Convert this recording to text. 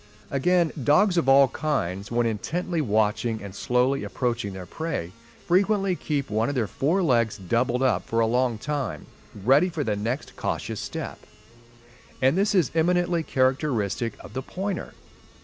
Again, dogs of all kinds when intently watching and slowly approaching their prey, frequently keep one of their fore legs doubled up for a long time, ready for the next cautious step; and this is eminently characteristic of the pointer.